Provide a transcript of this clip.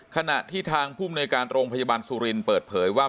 ขณะที่ทางผู้มนุยการโรงพยาบาลศูนย์สุรินเปิดเผยว่า